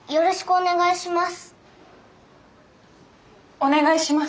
お願いします。